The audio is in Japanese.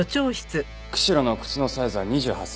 釧路の靴のサイズは２８センチ。